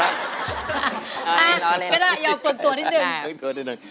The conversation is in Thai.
เอาล่ะก็ได้ยอมกลัวตัวนิดหนึ่ง